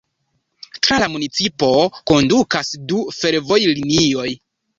Tra la municipo kondukas du fervojlinioj.